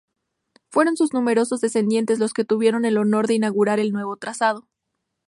Fueron sus numerosos descendientes los que tuvieron el honor de inaugurar el nuevo trazado.